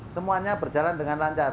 semuanya berjalan dengan lancar